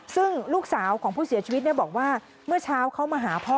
ซึ่งลูกสาวของผู้เสียชีวิตบอกว่าเมื่อเช้าเขามาหาพ่อ